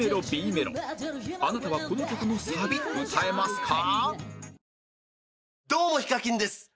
あなたはこの曲のサビ歌えますか？